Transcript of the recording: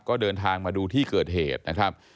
ก็เดินทางมาดูที่เกิดเหตุนะครับ